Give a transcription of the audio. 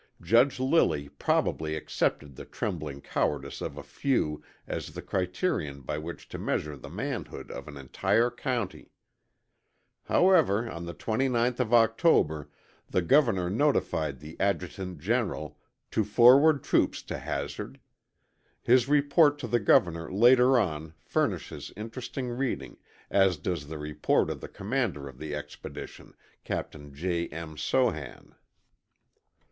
Judge Lilly probably accepted the trembling cowardice of a few as the criterion by which to measure the manhood of an entire county. However, on the 29th of October, the Governor notified the Adjutant General to forward troops to Hazard. His report to the Governor later on furnishes interesting reading, as does the report of the commander of the expedition, Captain J. M. Sohan.